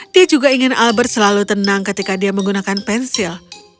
dia juga ingin albert selalu tenang ketika dia menggunakan pensil